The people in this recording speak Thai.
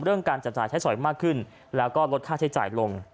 การจัดจ่ายใช้สอยมากขึ้นแล้วก็ลดค่าใช้จ่ายลง